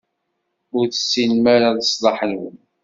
Ur tessinem ara leṣlaḥ-nwen.